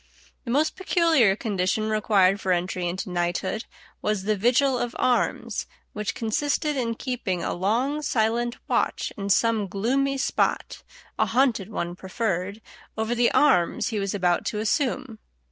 "] The most peculiar condition required for entry into knighthood was the "vigil of arms," which consisted in keeping a long silent watch in some gloomy spot a haunted one preferred over the arms he was about to assume.